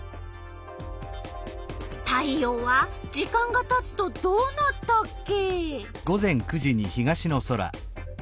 太陽は時間がたつとどうなったっけ？